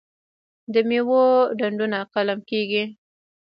د میوو ډډونه قلم کیږي.